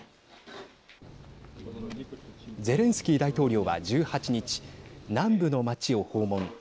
ゼレンスキー大統領は１８日南部の町を訪問。